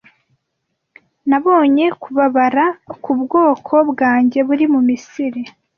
nabonye kubabara k’ubwoko bwanjye buri mu Misiri